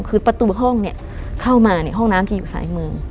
คือประตูห้องเข้ามาห้องน้ำจะอยู่สายมือ